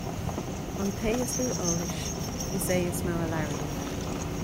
An té is lú eolais is é is mó a labhraíonn